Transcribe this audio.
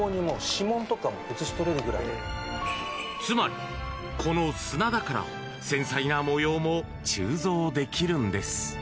つまり、この砂だから繊細な模様も鋳造できるんです。